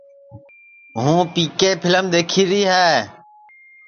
ہوں پی کے پھیلم دؔیکھیری ہے